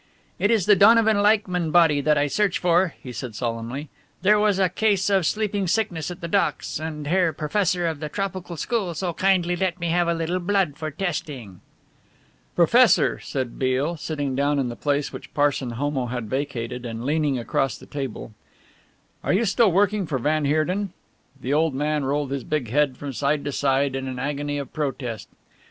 "It is the Donovan Leichmann body that I search for," he said solemnly; "there was a case of sleeping sickness at the docks, and the Herr Professor of the Tropical School so kindly let me have a little blood for testing." "Professor," said Beale, sitting down in the place which Parson Homo had vacated and leaning across the table, "are you still working for van Heerden?" The old man rolled his big head from side to side in an agony of protest.